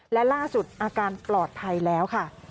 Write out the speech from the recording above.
และล่าสุดอาการปลอดภัยแล้วค่ะ